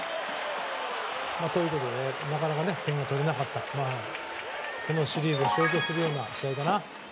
ということでなかなか点が取れなかったこのシリーズを象徴するようなシーンでしたね。